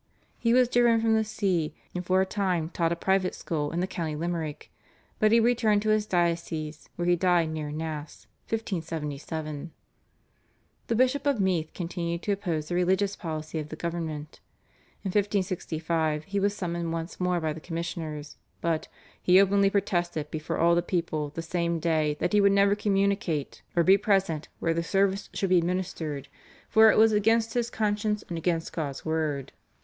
" He was driven from the See, and for a time taught a private school in the County Limerick, but he returned to his diocese, where he died near Nass (1577). The Bishop of Meath continued to oppose the religious policy of the government. In 1565 he was summoned once more by the commissioners, but "he openly protested before all the people the same day that he would never communicate or be present where the service should be ministered, for it was against his conscience and against God's word."